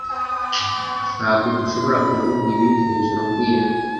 Ntabwo dushobora kuvuga ibi hejuru mbwira